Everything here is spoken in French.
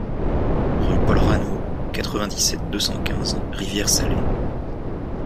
Rue Paul Rano, quatre-vingt-dix-sept, deux cent quinze Rivière-Salée